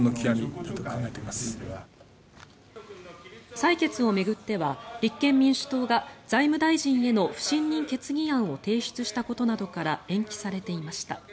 採決を巡っては立憲民主党が財務大臣への不信任決議案を提出したことなどから延期されていました。